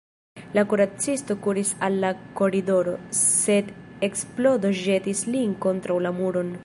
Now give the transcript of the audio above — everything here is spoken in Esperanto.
La kuracisto kuris al la koridoro, sed eksplodo ĵetis lin kontraŭ la muron.